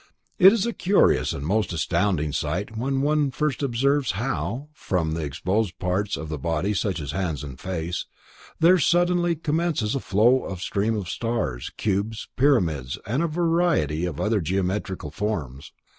It is a curious and most astounding sight when one first observes how, from exposed parts of the body such as hands and face, there suddenly commences to flow a stream of stars, cubes, pyramids and a variety of other geometrical forms.